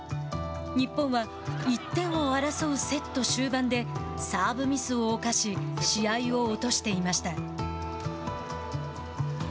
日本は１点を争うセット終盤でサーブミスを犯し試合を落としていました。